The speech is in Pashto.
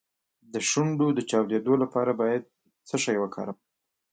د شونډو د چاودیدو لپاره باید څه شی وکاروم؟